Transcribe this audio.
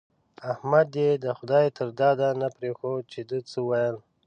احمد دې د خدای تر داده نه پرېښود چې ده څه ويل.